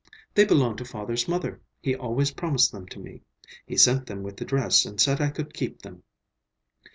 "They belonged to father's mother. He always promised them to me. He sent them with the dress and said I could keep them."